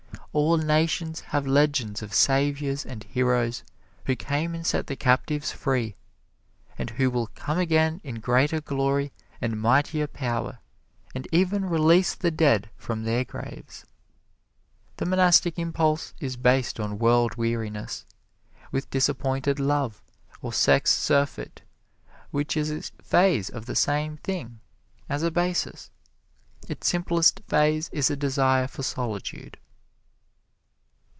All nations have legends of saviors and heroes who came and set the captives free, and who will come again in greater glory and mightier power and even release the dead from their graves. The Monastic Impulse is based on world weariness, with disappointed love, or sex surfeit, which is a phase of the same thing, as a basis. Its simplest phase is a desire for solitude.